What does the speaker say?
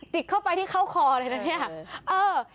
จิกเข้าไปที่เข้าคอเลยนะเนี่ย